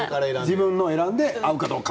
自分のを選んで合うかどうか。